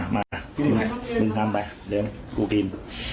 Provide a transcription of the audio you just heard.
มามึงทำไปเดี๋ยวกูกิน